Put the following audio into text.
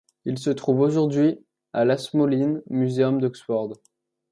Il se trouve aujourd'hui à l'Ashmolean Museum d'Oxford.